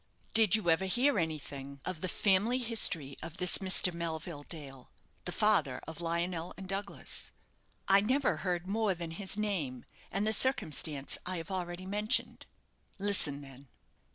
"Did you ever hear anything of the family history of this Mr. Melville Dale, the father of Lionel and Douglas?" "I never heard more than his name, and the circumstance I have already mentioned." "Listen, then.